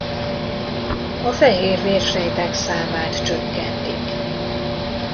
A fehérvérsejtek számát csökkentik.